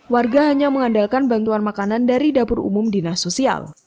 warga hanya mengandalkan bantuan makanan dari dapur umum dinas sosial